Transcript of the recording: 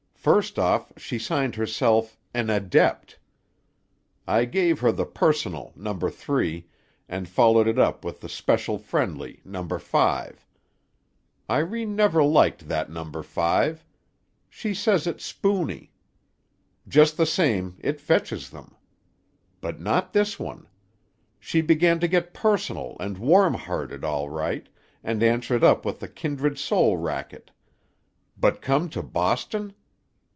First off she signed herself 'An Adept'. I gave her the Personal, No. 3, and followed it up with the Special Friendly, No. 5. Irene never liked that No. 5. She says it's spoony. Just the same, it fetches them. But not this one. She began to get personal and warm hearted, all right, and answered up with the kindred soul racket. But come to Boston?